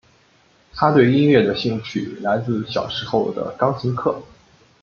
她对音乐的兴趣来自小时候的钢琴课。